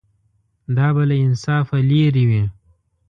دا به له انصافه لرې وي.